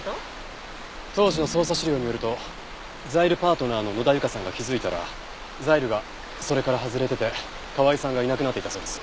当時の捜査資料によるとザイルパートナーの野田由香さんが気づいたらザイルがそれから外れてて河合さんがいなくなっていたそうです。